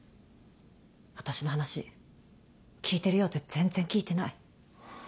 私の話聞いてるようで全然聞いてない。